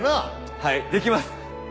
はいできます！